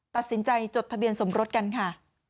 ตัดสินใจจดทะเบียนสมรสกันค่ะ